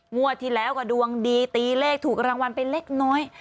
งวดที่แล้วก็ดวงดีตีเลขถูกรางวัลไปเล็กน้อย